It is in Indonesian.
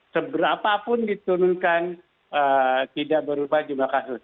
seberapapun diturunkan tidak berubah jumlah kasus